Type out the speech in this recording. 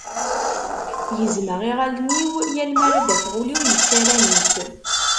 Gezzmeɣ iɣallen-iw yal mi ara d-afeɣ ul-iw yessaram-itt.